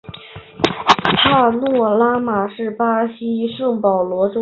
帕诺拉马是巴西圣保罗州的一个市镇。